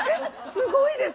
すごいです。